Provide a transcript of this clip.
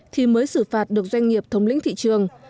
thì mới xử phạt được doanh nghiệp thống lĩnh thị trường